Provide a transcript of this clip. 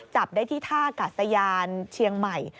จับได้ที่ท่ากัดสยานเชียงใหม่